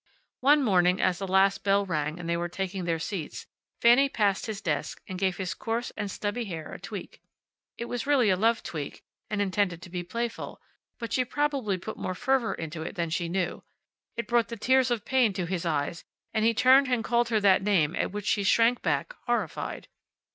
One morning, as the last bell rang and they were taking their seats, Fanny passed his desk and gave his coarse and stubbly hair a tweak. It was really a love tweak, and intended to be playful, but she probably put more fervor into it than she knew. It brought the tears of pain to his eyes, and he turned and called her the name at which she shrank back, horrified.